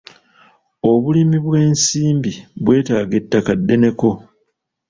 Obulimi bw'ensimbi bweetaaga ettaka ddene ko.